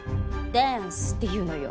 ダンスっていうのよ。